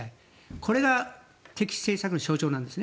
これが敵視政策の象徴なんです。